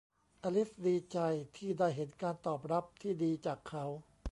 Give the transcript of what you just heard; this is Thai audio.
อลิซดีใจที่ได้เห็นการตอบรับที่ดีจากเขา